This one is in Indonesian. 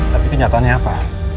tapi kenyataannya apa